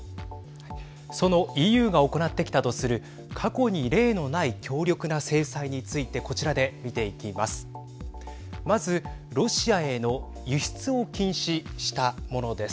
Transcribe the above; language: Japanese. そのＥＵが行ってきたとする過去に例のない強力な制裁についてこちらで見ていきます。